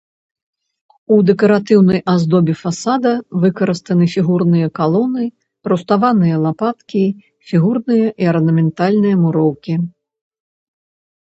У дэкаратыўнай аздобе фасада выкарыстаны фігурныя калоны, руставаныя лапаткі, фігурная і арнаментальная муроўкі.